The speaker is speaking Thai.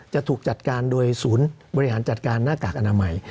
จะถูกจัดการโดยศูนย์บริหารจัดการหน้ากากอนามัย